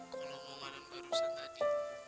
kalau ngomongan barusan tadi